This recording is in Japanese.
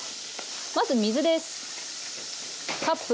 まず水です。